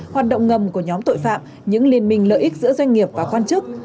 hoạt động ngầm của nhóm tội phạm những liên minh lợi ích giữa doanh nghiệp và quan chức